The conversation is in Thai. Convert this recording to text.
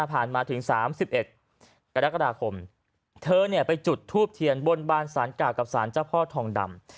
มาถึง๓๑กรกฎาคมเธอเนี่ยไปจุดทูบเทียนบนบานสารเก่ากับสารเจ้าพ่อทองดำ